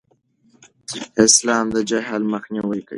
اسلام د جهل مخنیوی کوي.